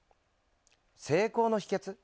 成功の秘けつ？